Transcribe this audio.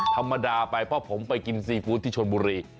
ธรรมดาไปเพราะผมไปกินซีฟู้ดที่ชนบุรี